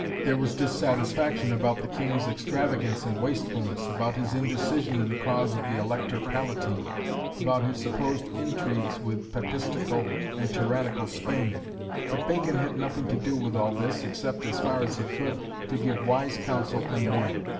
There was dissatisfaction about the King's extravagance and wastefulness, about his indecision in the cause of the Elector Palatine, about his supposed intrigues with Papistical and tyrannical Spain; but Bacon had nothing to do with all this except, as far as he could, to give wise counsel and warning.